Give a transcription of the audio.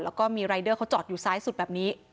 แล้วก็มีรายเดอร์เขาจอดอยู่ซ้ายสุดแบบนี้